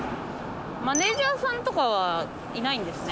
マネージャーさんとかはいないんですね。